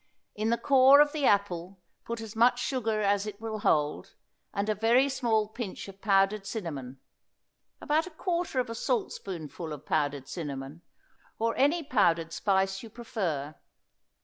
In the core of the apple put as much sugar as it will hold, and a very small pinch of powdered cinnamon about a quarter of a saltspoonful of powdered cinnamon, or any powdered spice you prefer.